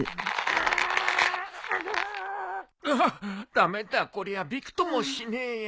駄目だこりゃびくともしねえや。